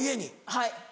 はい。